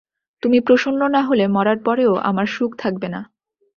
তুমি প্রসন্ন না হলে মরার পরেও আমার সুখ থাকবে না।